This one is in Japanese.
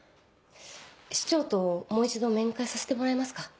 市長ともう一度面会させてもらえますか？